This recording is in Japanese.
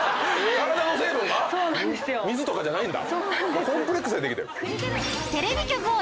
体の成分が⁉水とかじゃないんだ。